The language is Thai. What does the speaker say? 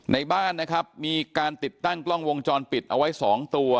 ในบ้านนะครับมีการติดตั้งกล้องวงจรปิดเอาไว้๒ตัว